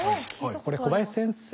これ小林先生。